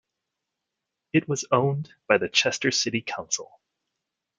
It was owned by the Chester City Council.